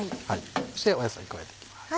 そして野菜加えていきます。